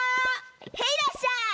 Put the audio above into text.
へいらっしゃい！